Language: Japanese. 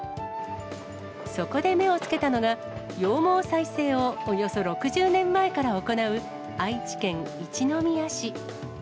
そこで目をつけたのが、羊毛再生をおよそ６０年前から行う、愛知県一宮市。